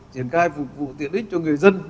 triển khai phục vụ tiện ích cho người dân